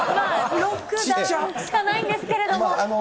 ６段しかないんですけども。